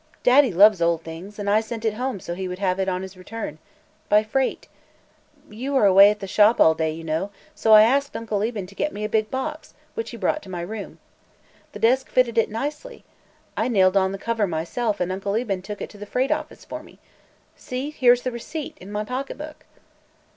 Daddy loves old things, and I sent it home so he would have it on his return. By freight. You are away at the Shop all day, you know, so I asked Uncle Eben to get me a big box, which he brought to my room. The desk fitted it nicely. I nailed on the cover myself, and Uncle Eben took it to the freight office for me. See; here's the receipt, in my pocket book."